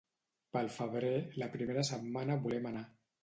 Pel febrer, la primera setmana volem anar.